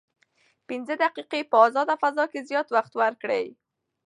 پنځه دقیقې په ازاده فضا کې زیات وخت ورکړئ.